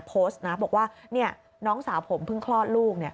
โพสต์นะบอกว่าน้องสาวผมเพิ่งคลอดลูก